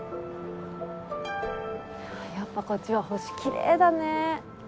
やっぱこっちは星きれいだね。